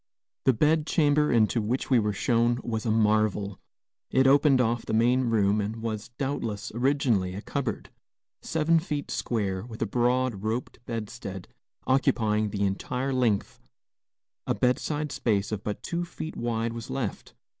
The bed chamber into which we were shown was a marvel. It opened off the main room and was, doubtless, originally a cupboard. Seven feet square, with a broad, roped bedstead occupying the entire length, a bedside space of but two feet wide was left.